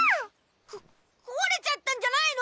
ここわれちゃったんじゃないの⁉